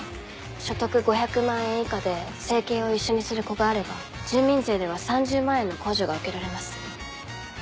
所得５００万円以下で生計を一緒にする子があれば住民税では３０万円の控除が受けられます。